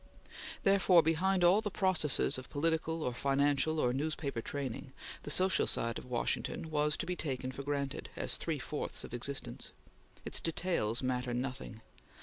Therefore, behind all the processes of political or financial or newspaper training, the social side of Washington was to be taken for granted as three fourths of existence. Its details matter nothing.